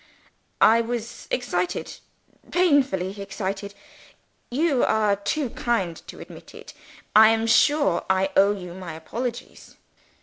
"I was excited painfully excited. You are too kind to admit it; I am sure I owe you my apologies?"